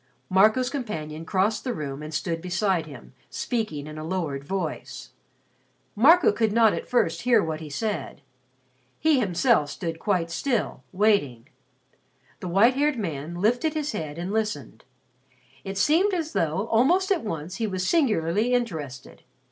Marco's companion crossed the room and stood beside him, speaking in a lowered voice. Marco could not at first hear what he said. He himself stood quite still, waiting. The white haired man lifted his head and listened. It seemed as though almost at once he was singularly interested.